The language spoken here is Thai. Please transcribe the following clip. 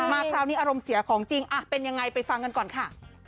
คราวนี้อารมณ์เสียของจริงเป็นยังไงไปฟังกันก่อนค่ะ